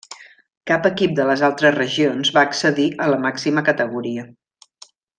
Cap equip de les altres regions va accedir a la màxima categoria.